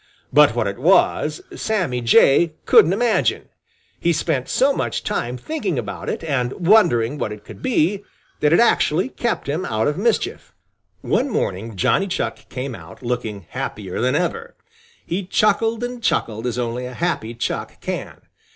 But what it was, Sammy Jay couldn't imagine. He spent so much time thinking about it and wondering what it could be, that it actually kept him out of mischief. One morning Johnny Chuck came out, looking happier than ever. He chuckled and chuckled as only a happy Chuck can.